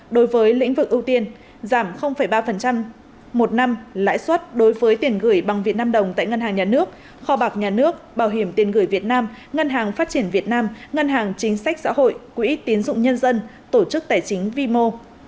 đối với lĩnh vực ưu tiên giảm ba một năm lãi suất đối với tiền gửi bằng việt nam đồng tại ngân hàng nhà nước kho bạc nhà nước bảo hiểm tiền gửi việt nam ngân hàng phát triển việt nam ngân hàng chính sách xã hội quỹ tiến dụng nhân dân tổ chức tài chính vimo